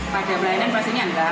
pada pelayanan pastinya nggak